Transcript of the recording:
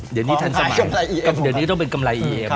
อะเดี๋ยวนี้ทันสมัย